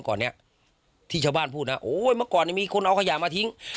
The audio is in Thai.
ก่อนนี้เช่าบ้านพูดก่อนมีคนเอาอยามาทิ้ง